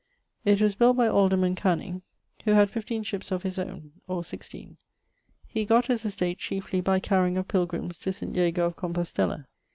It was built by alderman ... Canning, who had fifteen shippes of his owne (or 16). He gott his estate chiefly by carrying of pilgrims to St. Jago of Compostella.